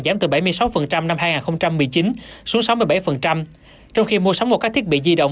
giảm từ bảy mươi sáu năm hai nghìn một mươi chín xuống sáu mươi bảy trong khi mua sắm vào các thiết bị di động